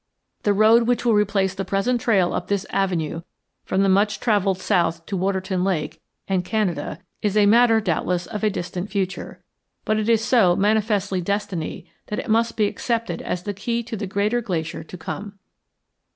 The road which will replace the present trail up this avenue from the much travelled south to Waterton Lake and Canada is a matter doubtless of a distant future, but it is so manifestly destiny that it must be accepted as the key to the greater Glacier to come.